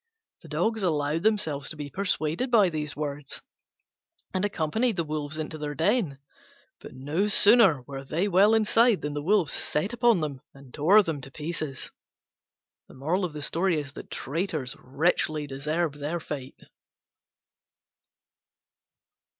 The Dogs allowed themselves to be persuaded by these words, and accompanied the Wolves into their den. But no sooner were they well inside than the Wolves set upon them and tore them to pieces. Traitors richly deserve their fate.